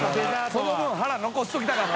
その分腹残しておきたかった？